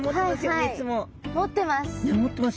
持ってます！